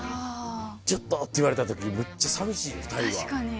ちょっとって言われたとき、むっちゃさみしい、２人は。